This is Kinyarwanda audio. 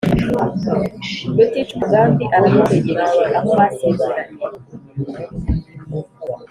rutica umugambi aramutegereje aho basezeranye